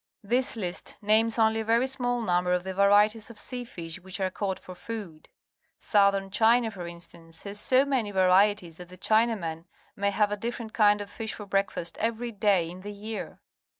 This list names only a very small number of the varieties of sea fish which are caught for food. Southern China, for in stance, has so manj'^ varieties that the China man may have a different kind of fish for breakfast every da}' in the year.